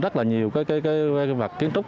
rất là nhiều cái vật kiến trúc